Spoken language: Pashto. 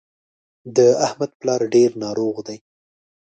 د احمد پلار ډېر ناروغ دی